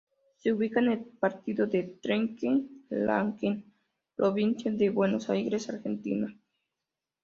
Se ubica en el partido de Trenque Lauquen, provincia de Buenos Aires, Argentina.